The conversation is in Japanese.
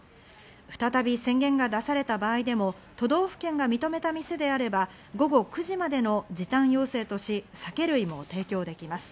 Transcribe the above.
再び宣言が出された場合でも、都道府県が認めた店であれば午後９時までの時短要請とし酒類も提供できます。